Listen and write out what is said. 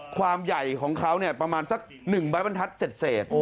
ความใหญ่ของเขาเนี่ยประมาณสักหนึ่งบ๊ายบันทัศน์เสร็จ